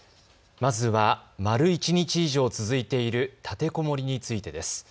まずは丸一日以上続いている立てこもりについてです。